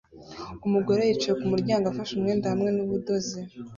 Umugore yicaye kumuryango afashe umwenda hamwe nubudozi